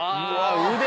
腕！